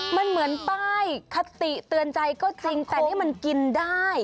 มันเหมือนป้ายคติเตือนใจก็จริงแต่นี่มันกินได้